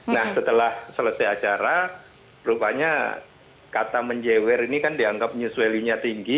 nah setelah selesai acara rupanya kata menjewer ini kan dianggap menyesuainya tinggi